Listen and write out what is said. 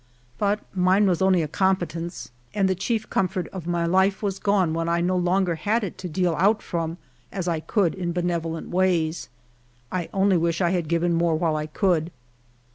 But mine was only a competence, and the chief comfort of my life was gone when 1 no longer had it to deal out from as I could in benevolent ways. T only wish I had given more while 1 could.